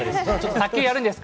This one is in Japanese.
卓球はやるんですか？